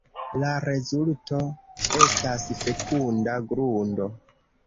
La rezulto estas fekunda grundo.